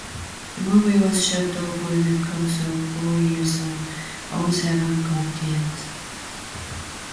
The movie was shot over the course of four years on all seven continents.